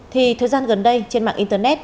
thì thời gian gần đây trên mạng internet